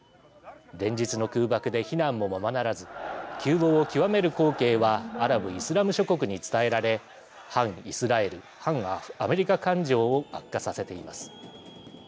連日の空爆で避難もままならず窮乏を窮める光景はアラブ・イスラム諸国に伝えられ反イスラエル、反アメリカ感情を悪化させています。